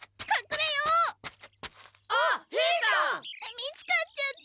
見つかっちゃった！